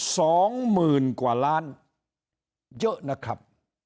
สองหมื่นกว่าล้านเยอะนะครับ